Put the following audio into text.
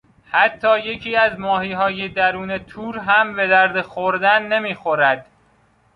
حتی یکی از ماهیهای درون تور هم به درد خوردن نمیخورد.